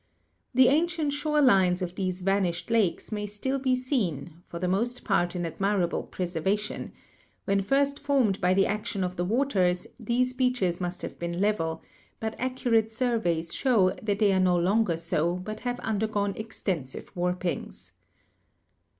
The ancient shore lines of these vanished lakes may still be seen, for the most part in admirable preservation; when first formed by the action of the waters, these beaches must have been level, but accurate surveys show that they are no longer so, but have undergone extensive warp ings.